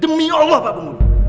demi allah pak bung ulu